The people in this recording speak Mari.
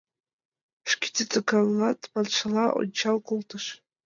Шке титакан улат» маншыла ончал колтыш.